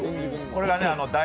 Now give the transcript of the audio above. これがだ